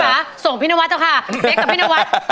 คุณป๋าส่งพี่นวัสต์เถอะค่ะเบ๊กกับพี่นวัสต์